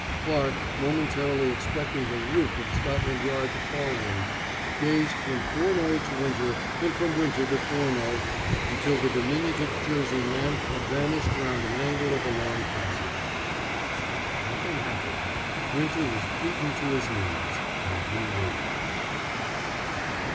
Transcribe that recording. Clarke, momentarily expecting the roof of Scotland Yard to fall in, gazed from Furneaux to Winter and from Winter to Furneaux until the diminutive Jersey man had vanished round an angle of a long passage. But nothing happened. Winter was beaten to his knees, and he knew it.